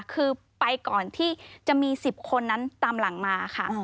คือไปก่อนที่จะมี๑๐คนนั้นตามหลังมาค่ะ